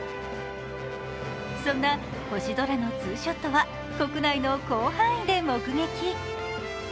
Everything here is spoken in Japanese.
そんな星空のツーショットは、国内の広範囲で目撃。